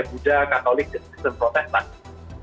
buddha katolik dan protestant